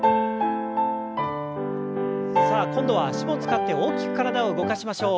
さあ今度は脚も使って大きく体を動かしましょう。